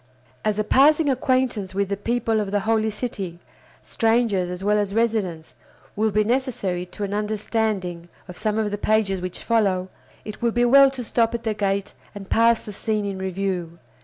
As a passing acquaintance with the people of the Holy City, strangers as well as residents, will be necessary to an understanding of some of the pages which follow, it will be well to stop at the gate and pass the scene in review.